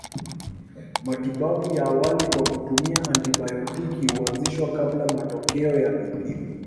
Matibabu ya awali kwa kutumia antibayotiki huanzishwa kabla matokeo ya vipimo